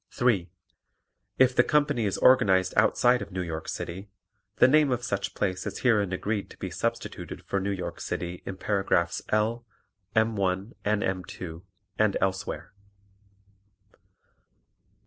(3) If the company is organized outside of New York City, the name of such place is herein agreed to be substituted for New York City in paragraphs L, M 1 and M 2 and elsewhere.